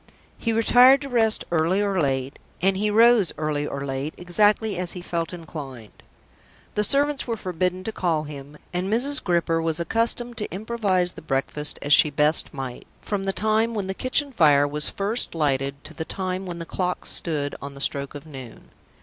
He retired to rest early or late, and he rose early or late, exactly as he felt inclined. The servants were forbidden to call him; and Mrs. Gripper was accustomed to improvise the breakfast as she best might, from the time when the kitchen fire was first lighted to the time when the clock stood on the stroke of noon.